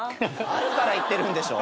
あるから行ってるんでしょ。